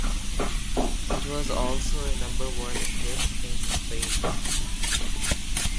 It was also a number-one hit in Spain.